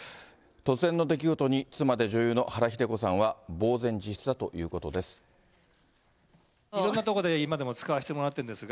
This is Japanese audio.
突然の出来事に、妻で女優の原日出子さんは、ぼう然自失だということです。